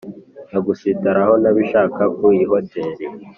nkagusitaraho ntabishaka ku ihoteri!